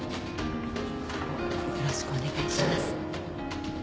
よろしくお願いします。